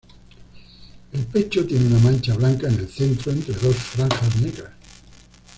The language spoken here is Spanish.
El pecho tiene una mancha blanca en el centro entre dos franjas negras.